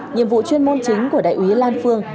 nhiệm vụ chuyên môn chính của đại úy lan phương